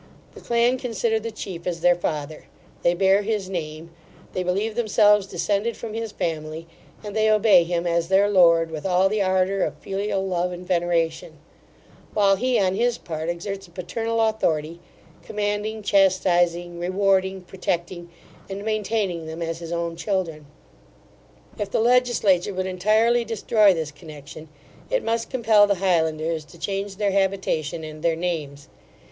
The clan consider the chief as their father, they bear his name, they believe themselves descended from his family, and they obey him as their lord, with all the ardour of filial love and veneration; while he, on his part, exerts a paternal authority, commanding, chastising, rewarding, protecting, and maintaining them as his own children. If the legislature would entirely destroy this connection, it must compel the Highlanders to change their habitation and their names.